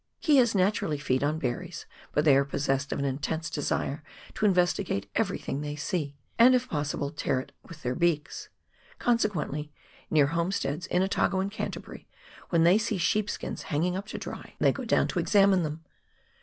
Keas naturally feed on berries, but they are possessed of an intense desire to investigate everything they see, and if possible tear it with their beaks ; consequently, near homesteads, in Otago and Canterbury, when they see sheepskins hanging up to dry they go down to examine them.